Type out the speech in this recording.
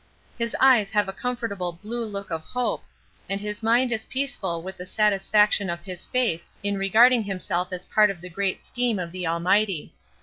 His eyes have a comfortable blue look of hope and his mind is peaceful with the satisfaction of his faith in regarding himself as part of the great scheme of the Almighty.